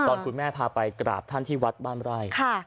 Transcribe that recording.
คุณแม่พาไปกราบท่านที่วัดบ้านไร่